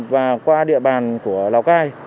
và qua địa bàn của lào cai